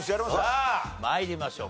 さあ参りましょう。